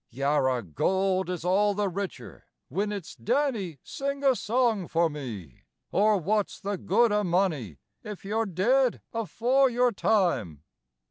Yarra, gold is all the richer whin it's "Danny, sing a song for me" Or what's the good o' money if you're dead afore your time.